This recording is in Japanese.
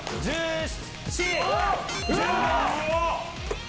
１７！